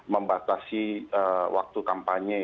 membatasi waktu kampanye